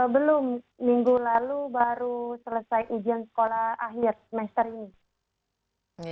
belum minggu lalu baru selesai ujian sekolah akhir semester ini